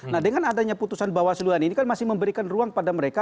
nah dengan adanya putusan bawasluhan ini kan masih memberikan ruang pada mereka